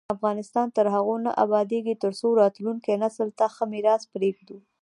افغانستان تر هغو نه ابادیږي، ترڅو راتلونکي نسل ته ښه میراث پریږدو.